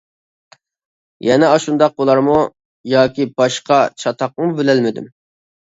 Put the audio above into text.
يەنە ئاشۇنداق بۇلارمۇ ياكى باشقا چاتاقمۇ بىلەلمىدىم.